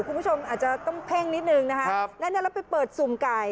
คุณผู้ชมอาจจะต้องเพ่งนิดนึงนะคะแล้วเนี่ยเราไปเปิดสุ่มไก่